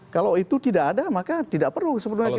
kalau itu tidak ada maka tidak perlu sebenarnya